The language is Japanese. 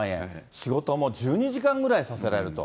仕事も１２時間ぐらいさせられると。